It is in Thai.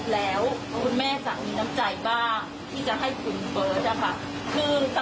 แล้วคุณแม่จะมีน้ำใจบ้างที่จะให้คุณเบิร์ตนะคะ